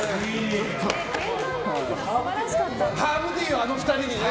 ハーブティーをあの２人に。